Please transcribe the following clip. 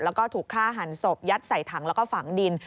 แล้วก็ถูกฆ่าหันศพยัดใส่ถังแล้วก็ฝังดิน